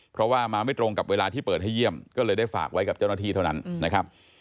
เพราะว่ามาไม่ตรงกับเวลาที่เปิดให้เยี่ยมก็เลยได้ฝากไว้กับเจ้าหน้าที่เท่านั้นนะครับ